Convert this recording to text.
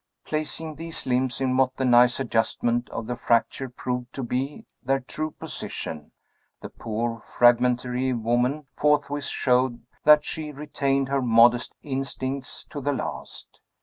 Placing these limbs in what the nice adjustment of the fractures proved to be their true position, the poor, fragmentary woman forthwith showed that she retained her modest instincts to the last.